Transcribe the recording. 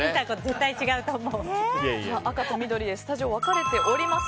赤と緑でスタジオ分かれています。